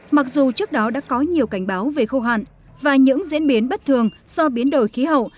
mặc dù trước đó đã có nhiều cảnh báo về khô hạn và những diễn biến bất thường do biến đổi khí hậu